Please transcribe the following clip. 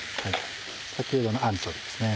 先ほどのアンチョビーですね。